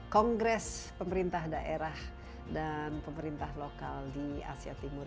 kongres pemerintah daerah dan pemerintah lokal di asia timur